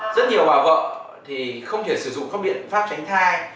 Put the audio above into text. rất nhiều bà vợ thì không thể sử dụng các biện pháp tránh thai